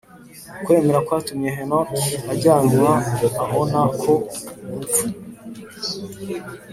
ukwemera kwatumye henoki ajyanwa ahonoka urupfu